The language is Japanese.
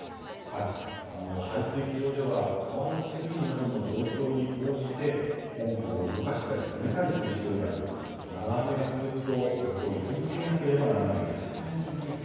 排水機場では川の水位などの状況に応じてポンプを動かしたり止めたりする必要があり長雨が続くと、ずっと居続けなければならないんです。